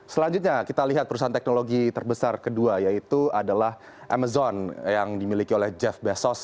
selanjutnya kita lihat perusahaan teknologi terbesar kedua yaitu adalah amazon yang dimiliki oleh jeff bezos